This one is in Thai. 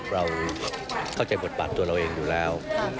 เราเข้าใจบทบาทตัวเราเองอยู่แล้ว